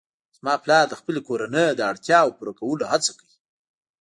زما پلار د خپلې کورنۍ د اړتیاوو پوره کولو هڅه کوي